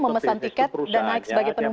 memesan tiket dan naik sebagai penumpang